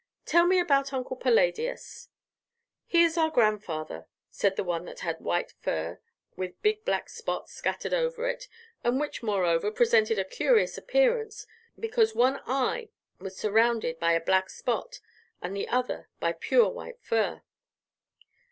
"Tell me about Uncle Palladius." "He is our grandfather," said one that had white fur with big black spots scattered over it, and which, moreover, presented a curious appearance, because one eye was surrounded by a black spot and the other by pure white fur.